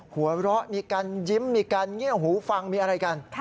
หัวเราะมีการยิ้มมีการเงียบหูฟังมีอะไรกัน